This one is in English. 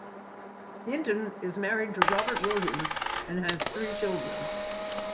Hinton is married to Robert Williams and has three children.